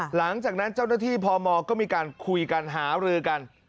หลังจากนั้นเจ้าหน้าที่พมก็มีการคุยกันหารือกัน